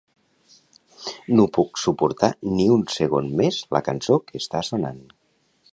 No puc suportar ni un segon més la cançó que està sonant.